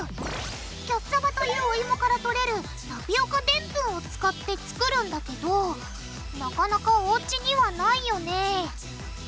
キャッサバというお芋からとれる「タピオカでんぷん」を使って作るんだけどなかなかおうちにはないよね。